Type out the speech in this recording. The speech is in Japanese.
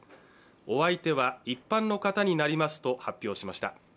お相手は一般の方になりますと発表しました。